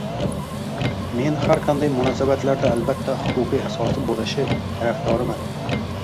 Men har qanday munosabatlarda albatta huquqiy asosi bo‘lishi tarafdoriman.